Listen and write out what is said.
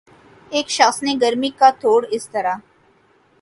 ایک شخص نے گرمی کا توڑ اس طرح